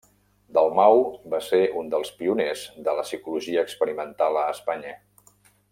Dalmau va ser un dels pioners de la psicologia experimental a Espanya.